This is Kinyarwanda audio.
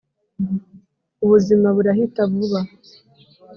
ubuzima burahita vuba,